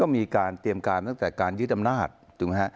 มีการเตรียมกันตั้งแต่การยืดอำนาจ